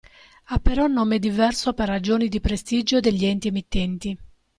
Ha però nome diverso per ragioni di prestigio degli enti emittenti.